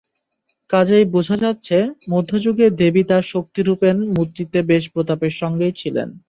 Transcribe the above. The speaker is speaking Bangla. কাজেই বোঝা যাচ্ছে, মধ্যযুগে দেবী তাঁর শক্তিরূপেণ মূর্তিতে বেশ প্রতাপের সঙ্গেই ছিলেন।